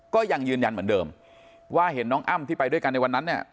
ก็ยังยืนยันเหมือนเดิมว่าเห็นน้องอ้ำที่ไปด้วยกันในวันนั้นเนี่ย